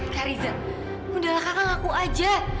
kak riza mudah lah kakak ngaku aja